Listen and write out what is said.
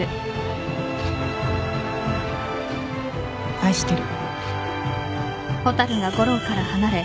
愛してる。